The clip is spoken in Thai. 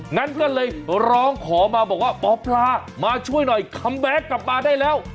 งั้นก็เลยร้องขอมาบอกว่าหมอปลามาช่วยหน่อยคัมแบ็คกลับมาได้แล้ว